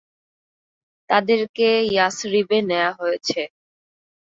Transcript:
তাদেরকে ইয়াসরিবে নেয়া হয়েছে।